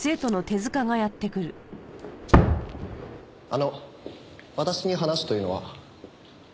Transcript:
あの私に話というのは？